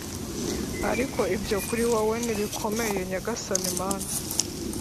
Ariko ibyo kuri wowe ntibikomeye, Nyagasani Mana.